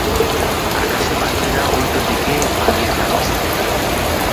আকাশে পাখিরা উল্টোদিকে পালিয়ে যাচ্ছে।